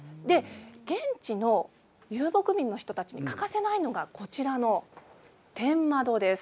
現地の遊牧民の人たちが欠かせないものがこちらです。